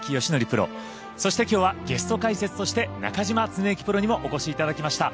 プロ、そして、きょうはゲスト解説として中嶋常幸プロにもお越しいただきました。